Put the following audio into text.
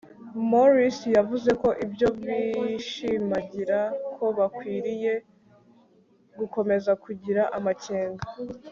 morris yavuze ko ibyo bishimangira ko bakwiriye gukomeza kugira amakenga